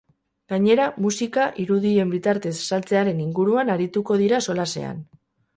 Gainera, musika irudien bitartez saltzearen inguruan arituko dira solasean.